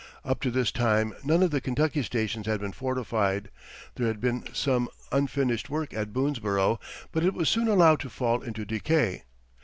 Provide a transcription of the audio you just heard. Up to this time none of the Kentucky stations had been fortified; there had been some unfinished work at Boonesborough, but it was soon allowed to fall into decay.